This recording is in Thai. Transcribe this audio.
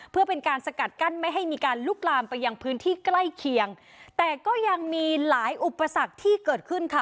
เพื่อเป็นการสกัดกั้นไม่ให้มีการลุกลามไปยังพื้นที่ใกล้เคียงแต่ก็ยังมีหลายอุปสรรคที่เกิดขึ้นค่ะ